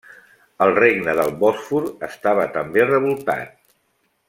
El regne del Bòsfor estava també revoltat.